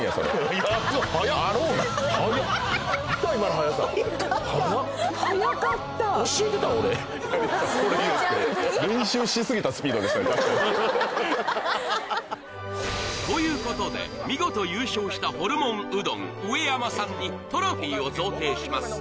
はやかったということで見事優勝したホルモンうどん上山さんにトロフィーを贈呈します